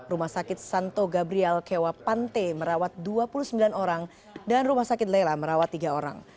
rumah sakit santo gabrial kewapante merawat dua puluh sembilan orang dan rumah sakit lela merawat tiga orang